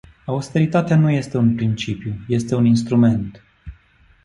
Austeritatea nu este un principiu, este un instrument.